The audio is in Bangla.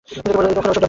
এখন ওইসব দরকার নেই।